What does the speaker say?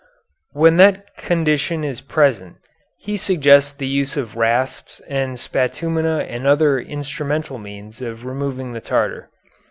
When that condition is present he suggests the use of rasps and spatumina and other instrumental means of removing the tartar.